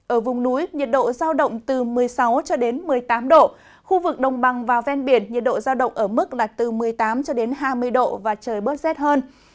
ở vùng núi nhiệt độ giao động từ một mươi sáu một mươi tám độ khu vực đồng bằng và ven biển nhiệt độ giao động ở mức là từ một mươi tám hai mươi độ và trời bớt rét hơn